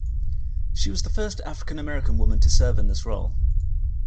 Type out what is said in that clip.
She was the first African American woman to serve in this role.